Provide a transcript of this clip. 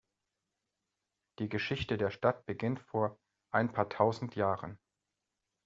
Die Geschichte der Stadt beginnt vor ein paar tausend Jahren.